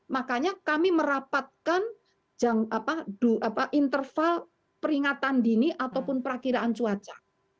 makanya kami merapatkan interval peringatan dini ataupun perakiraan cuaca